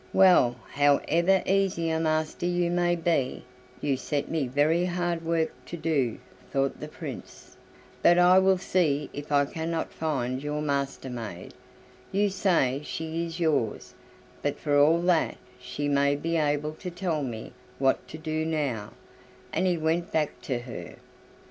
"Well, however easy a master you may be, you set me very hard work to do," thought the Prince; "but I will see if I cannot find your Master maid; you say she is yours, but for all that she may be able to tell me what to do now," and he went back to her.